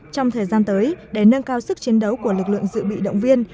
trong thời gian tới để nâng cao sức chiến đấu của lực lượng dự bị động viên